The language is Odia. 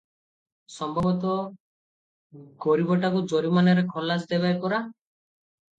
ସମ୍ଭବତଃ ଗରିବଟାକୁ ଜରିମାନାରେ ଖଲାସ ଦେବେ ପରା?